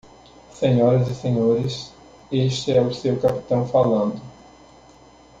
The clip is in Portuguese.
Senhoras e senhores, este é o seu capitão falando.